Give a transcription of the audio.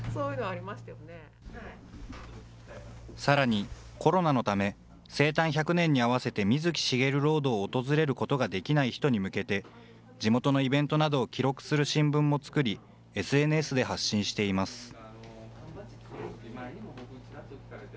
さらに、コロナのため、生誕１００年に合わせて、水木しげるロードを訪れることができない人に向けて、地元のイベントなどを記録する新聞も作り、ＳＮＳで発信しています。